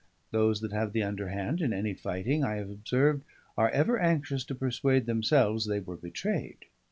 Those that have the underhand in any fighting, I have observed, are ever anxious to persuade themselves they were betrayed.